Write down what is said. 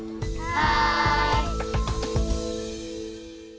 はい！